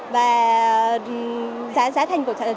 và giá thành của chúng tôi